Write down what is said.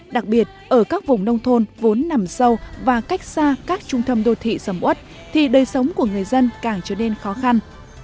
đặc biệt ở các vùng nông thôn vốn nằm sâu và cách xa các trung tâm đô thị sầm út thì đời sống của người dân càng trở nên khó khăn